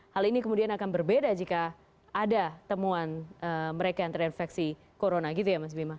hal ini kemudian akan berbeda jika ada temuan mereka yang terinfeksi corona gitu ya mas bima